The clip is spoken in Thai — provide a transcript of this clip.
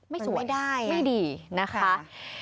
ไม่สวยไม่ดีนะคะเป็นไม่ได้